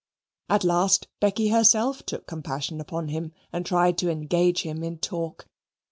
At last Becky herself took compassion upon him and tried to engage him in talk.